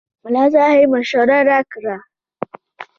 ملا صاحب مشوره راکړه.